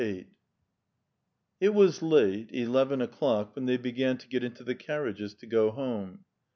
VIII It was late, eleven o'clock, when they began to get into the carriages to go home.